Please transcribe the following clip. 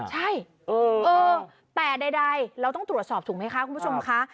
ใช่แต่ใดเราต้องตรวจสอบถูกไหมคะคุณผู้ชมค่ะ